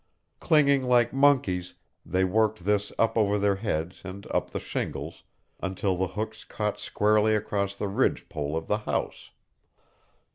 Clinging like monkeys, they worked this up over their heads and up the shingles until the hooks caught squarely across the ridge pole of the house.